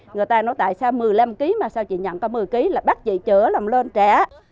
người ta nói tại sao một mươi năm kg mà sao chị nhận có một mươi kg là bắt chị chở làm lên trẻ